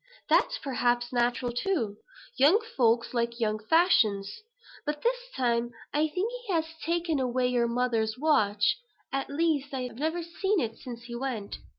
That's perhaps natural too. Young folks like young fashions. But, this time, I think he has taken away your mother's watch; at least, I've never seen it since he went.